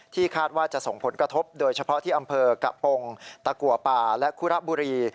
คาดว่าจะส่งผลกระทบโดยเฉพาะที่อำเภอกะปงตะกัวป่าและคุระบุรี